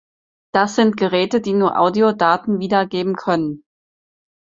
Das sind Geräte, die nur Audiodaten wiedergeben können.